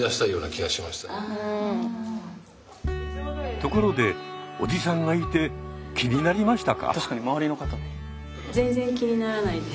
ところでおじさんがいて気になりましたか？